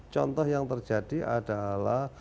contoh yang terjadi adalah